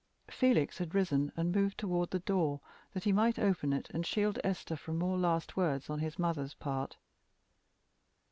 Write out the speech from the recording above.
Felix had risen and moved toward the door that he might open it and shield Esther from more last words on his mother's part.